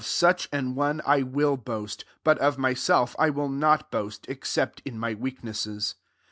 such an one I will boast : but of myself I will not boast, ex cept in my weaknesses.